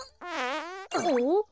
おっ。